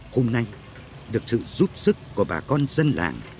hôm nay được sự giúp sức của bà con dân làng